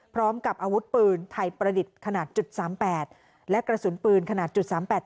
พร้อมกับอาวุธปืนไทยประดิษฐ์ขนาดจุดสามแปดและกระสุนปืนขนาดจุดสามแปด